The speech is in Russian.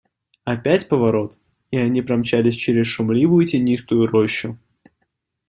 Опять поворот, и они промчались через шумливую тенистую рощу.